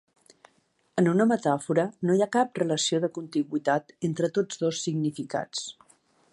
En una metàfora no hi ha cap relació de contigüitat entre tots dos significats.